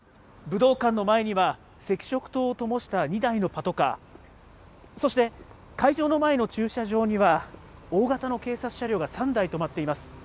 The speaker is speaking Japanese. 武道館の前には、赤色灯をともした２台のパトカー、そして、会場の前の駐車場には、大型の警察車両が３台止まっています。